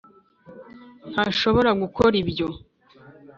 ntashobora gukora ibyo.